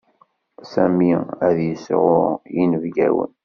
Sami ad yesɛu yinebgawen.